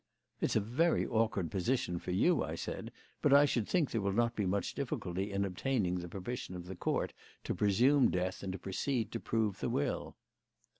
"It's a very awkward position for you," I said, "but I should think there will not be much difficulty in obtaining the permission of the Court to presume death and to proceed to prove the will."